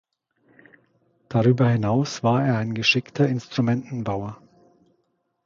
Darüber hinaus war er ein geschickter Instrumentenbauer.